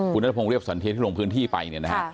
คุณนัทพงศ์เรียบสันเทียที่ลงพื้นที่ไปเนี่ยนะฮะ